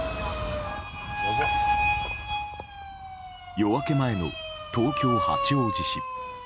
夜明け前の東京・八王子市。